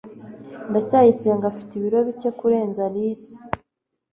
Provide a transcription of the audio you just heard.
ndacyayisenga afite ibiro bike kurenza alice